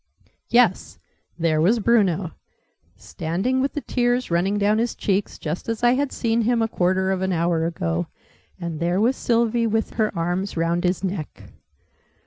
Yes! There was Bruno, standing with the tears running down his cheeks, just as I had seen him a quarter of an hour ago; and there was Sylvie with her arms round his neck!